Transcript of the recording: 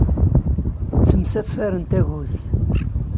Ttemsafarren tagut.